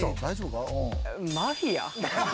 マフィア？